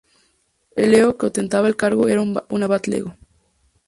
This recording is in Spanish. El lego que ostentaba el cargo era un abad lego.